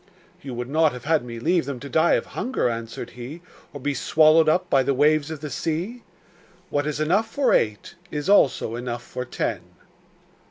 'You would not have had me leave them to die of hunger,' answered he, 'or be swallowed up by the waves of the sea? What is enough for eight is also enough for ten.